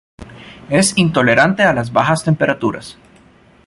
Es intolerante a las bajas temperaturas.